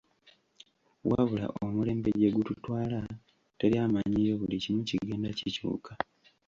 Wabula omulembe gye gututwala teri amanyiyo buli kimu kigenda kikyuka.